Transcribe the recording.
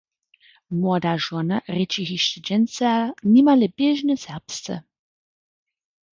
Młoda žona rěči hišće dźensa nimale běžnje serbsce.